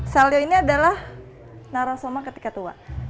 salyo ini adalah narasoma ketika tua